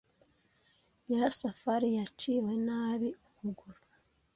Nyirasafari yaciwe nabi ukuguru.